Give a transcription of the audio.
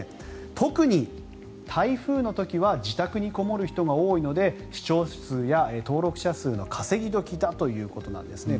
特に台風の時は自宅にこもる人が多いので視聴数や登録者数の稼ぎ時だということなんですね。